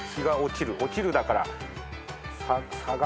「落ちる」だからサガ。